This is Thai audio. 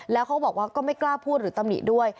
แล้วเขาบอกว่าก็ไม่กล้าพูดหรือตำหนิด้วย